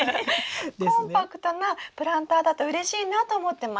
コンパクトなプランターだとうれしいなと思ってました。